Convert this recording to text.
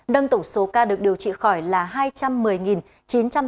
nâng tổng số ca được điều trị khỏi là hai trăm một mươi chín trăm tám mươi ca